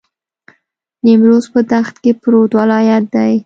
نیمروز په دښت کې پروت ولایت دی.